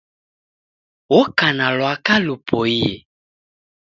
Woka na lwaka lupoie